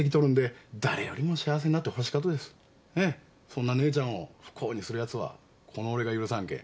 そんな姉ちゃんを不幸にするやつはこの俺が許さんけ。